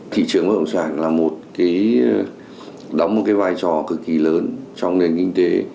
thị trường bất động sản là một cái đóng một cái vai trò cực kỳ lớn trong nền kinh tế